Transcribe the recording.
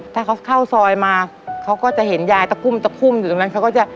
ถ้าเขาเข้าซอยมาเขาก็จะเห็นยายตะคุ่มตะคุ่มอยู่ตรงนั้นเขาก็จะ